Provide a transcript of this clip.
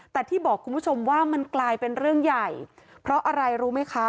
แต่ที่บอกคุณผู้ชมว่ามันกลายเป็นเรื่องใหญ่เพราะอะไรรู้ไหมคะ